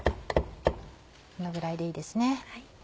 このぐらいでいいですね。